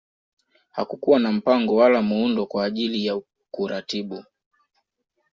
Hakukuwa na mpango wala muundo kwa ajili ya kuratibu